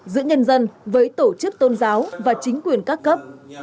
giữa nhân dân với tổ chức tôn giáo và chính quyền các cấp